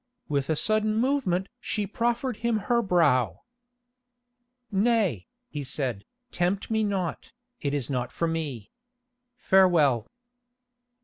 With a sudden movement she proffered him her brow. "Nay," he said, "tempt me not, it is not for me. Farewell."